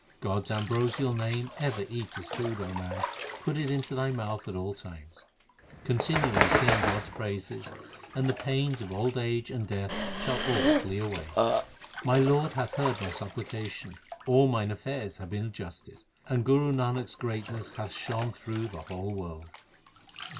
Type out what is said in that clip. God s ambrosial name ever eat as food, man ; put it into thy mouth at all times. Continually sing God s praises, and the pains of old age and death shall all flee away. My Lord hath heard my supplication : all mine affairs have been adjusted, And Guru Nanak s greatness hath shone through the whole world.